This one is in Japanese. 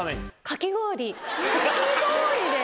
かき氷で？